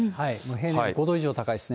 平年より５度以上高いですね。